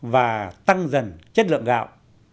và tăng dần chất lượng gạo